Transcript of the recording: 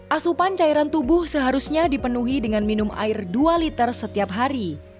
asupan cairan tubuh seharusnya dipenuhi dengan minum air dua liter setiap hari